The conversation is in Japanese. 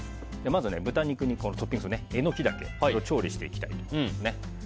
まず豚肉のトッピングエノキダケを調理していきたいと思います。